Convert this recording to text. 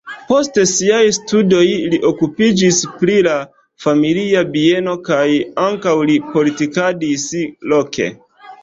Post siaj studoj li okupiĝis pri la familia bieno kaj ankaŭ li politikadis loke.